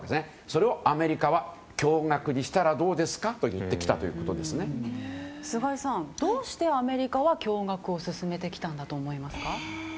それをアメリカは共学にしたらどうですかと菅井さん、どうしてアメリカは共学を勧めてきたと思いますか？